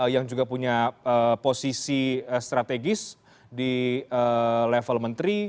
yang juga punya posisi strategis di level menteri